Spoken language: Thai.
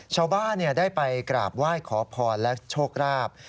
ชาวบ้านได้ไปกราบไหว้ขอพรและโชคราบ